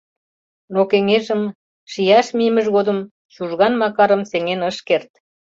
Но кеҥежым, шияш мийымыж годым, Чужган Макарым сеҥен ыш керт.